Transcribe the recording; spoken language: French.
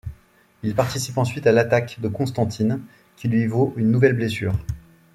Il participe ensuite à l'attaque de Constantine, qui lui vaut une nouvelle blessure.